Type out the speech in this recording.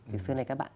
vì xưa nay các bạn